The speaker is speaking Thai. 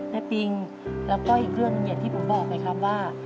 แม่ปิงแล้วก็อีกเรื่องที่ผมบอกไหมครับว่า